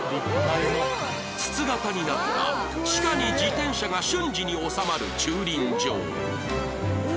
筒形になった地下に自転車が瞬時に収まる駐輪場